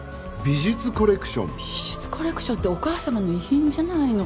美術コレクションってお母さまの遺品じゃないの